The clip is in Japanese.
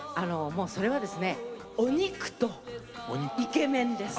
もうそれはですねお肉とイケメンです！